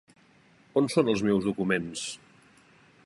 On són els meus documents?